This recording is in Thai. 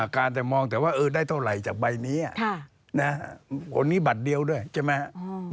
การแต่มองได้เท่าไหร่จากใบนี้คนนี้บัตรเดียวด้วยใช่ไหม